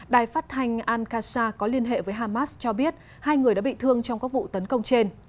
đài phát thanh al qasa có liên hệ với hamas cho biết hai người đã bị thương trong các vụ tấn công trên